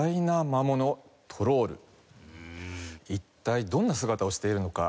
一体どんな姿をしているのか？